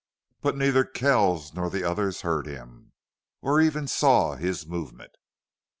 But neither Kells nor the others heard him, or even saw his movement.